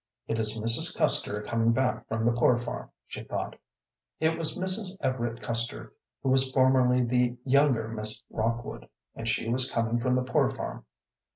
"It is Mrs. Custer coming back from the Poor Farm," she thought. It was Mrs. Everett Custer, who was formerly the younger Miss Rockwood, and she was coming from the Poor Farm.